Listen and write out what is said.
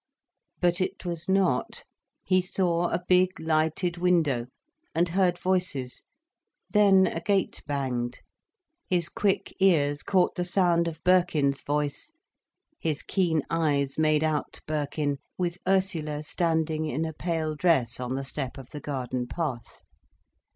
But it was not. He saw a big lighted window, and heard voices, then a gate banged. His quick ears caught the sound of Birkin's voice, his keen eyes made out Birkin, with Ursula standing in a pale dress on the step of the garden path.